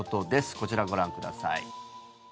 こちらをご覧ください。